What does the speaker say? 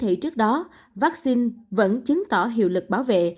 các biến thể trước đó vaccine vẫn chứng tỏ hiệu lực bảo vệ